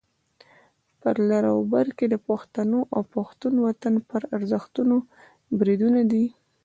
په لر او بر کې د پښتنو او پښتون وطن پر ارزښتونو بریدونه دي.